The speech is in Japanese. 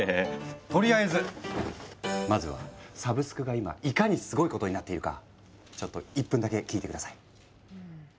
とりあえずまずはサブスクが今いかにスゴいことになっているかちょっと１分だけ聞いて下さい。